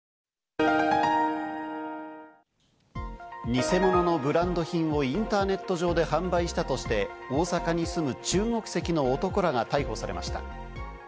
ニセ物のブランド品をインターネット上で販売したとして、大阪に住む中国籍の男らが逮捕されました。